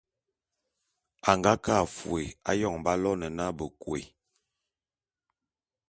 A nga ke a fôé ayon b'aloene na Bekôé.